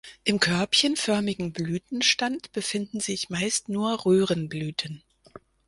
Im körbchenförmigen Blütenstand befinden sich meist nur Röhrenblüten.